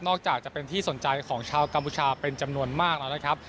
จากจะเป็นที่สนใจของชาวกัมพูชาเป็นจำนวนมากแล้วนะครับ